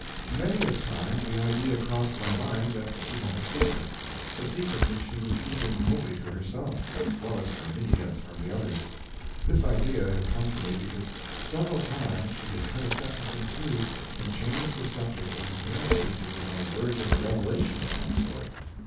Many a time the idea crossed my mind that she had a secret—a secret which she was keeping wholly to herself, as well from me as from the others. This idea had come to me because several times she had cut a sentence in two and changed the subject when apparently she was on the verge of a revelation of some sort.